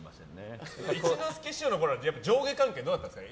一之輔師匠のころはどうだったんですか。